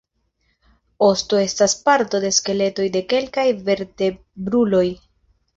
Osto estas parto de skeletoj de kelkaj vertebruloj.